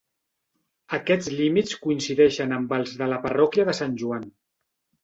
Aquests límits coincideixen amb els de la parròquia de Sant Joan.